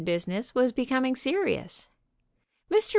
business was becoming serious. Mr.